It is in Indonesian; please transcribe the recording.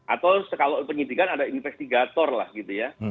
atau kalau penyidikan ada investigator lah gitu ya